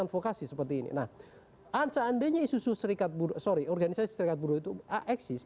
nah seandainya isu isu serikat buruh sorry organisasi serikat buruh itu aksis